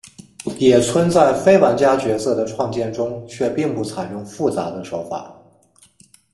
野村在非玩家角色的创建中却并不采用复杂的手法。